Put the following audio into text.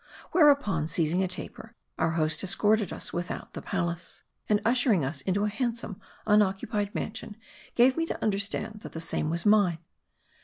Whereupon, seizing a taper, our host escorted us without the palace. And usher ing us into a handsome unoccupied mansion, gave me to un derstand that the same was mine.